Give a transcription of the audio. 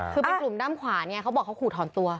คือเป็นกลุ่มด้านขวาเนี่ยเขาบอกเขาขู่ถอนตัว